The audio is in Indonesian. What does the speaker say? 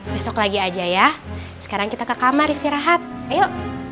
besok lagi aja ya sekarang kita ke kamar istirahat ayo